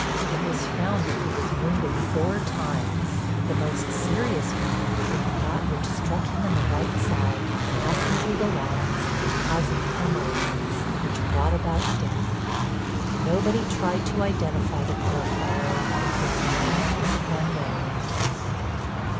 It was found that he was wounded four times, the most serious wound being that which struck him in the right side, passing through the lungs, and causing hemorrhages, which brought about death. Nobody tried to identify the poor fellow and his name is unknown.